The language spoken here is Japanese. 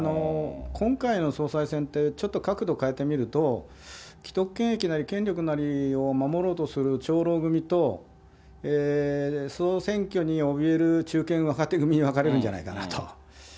今回の総裁選ってちょっと角度変えてみると、既得権益なり権力なりを守ろうとする長老組と総選挙におびえる中堅若手組に分かれるんじゃないかなと。